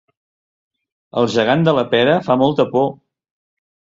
El gegant de la Pera fa molta por